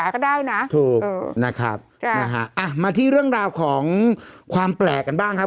ก็ได้นะถูกนะครับนะฮะอ่ะมาที่เรื่องราวของความแปลกกันบ้างครับ